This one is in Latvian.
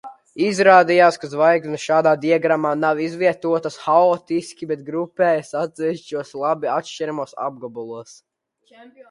Izrādījās, ka zvaigznes šādā diagrammā nav izvietotas haotiski, bet grupējas atsevišķos labi atšķiramos apgabalos.